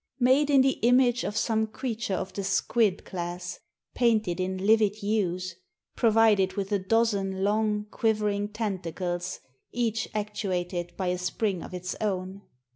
Made in the image of some creature of the squid class, painted in livid hues, provided with a dozen long, quivering tentacles, each actuated by a spring of its own.